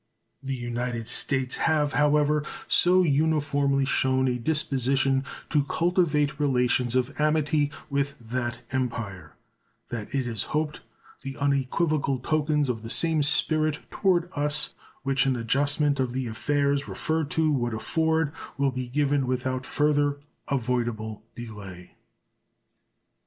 The United States have, however, so uniformly shown a disposition to cultivate relations of amity with that Empire that it is hoped the unequivocal tokens of the same spirit toward us which an adjustment of the affairs referred to would afford will be given without further avoidable delay.